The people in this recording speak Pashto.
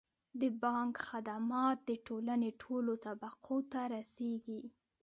د بانک خدمات د ټولنې ټولو طبقو ته رسیږي.